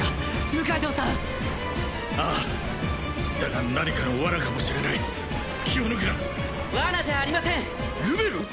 六階堂さんああだが何かのワナかもしれない気を抜くなワナじゃありませんルベル！？